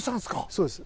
そうです。